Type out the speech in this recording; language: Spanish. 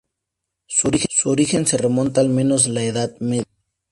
Su origen se remonta al menos la Edad Media.